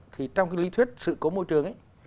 thì trong cái lý thuyết sự cố môi trường ấy